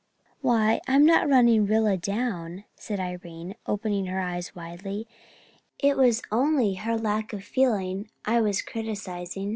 "Why, I am not running Rilla down," said Irene, opening her eyes widely. "It was only her lack of feeling I was criticizing.